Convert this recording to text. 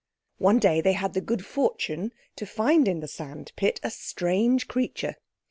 One day they had the good fortune to find in the sandpit a strange creature.